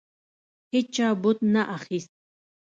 هیچا بت نه اخیست.